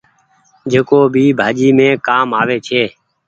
جيڪو ڀآڃي مين ڪآم آوي ڇي۔